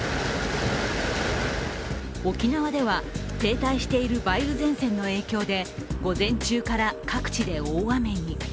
沖縄では停滞している梅雨前線の影響で午前中から各地で大雨に。